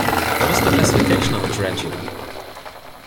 What is the classification of a Tarantula?